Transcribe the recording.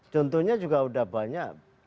contohnya juga udah banyak